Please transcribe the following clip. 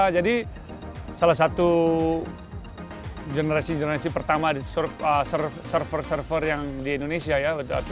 jadi salah satu generasi generasi pertama di surfer surfer yang di indonesia ya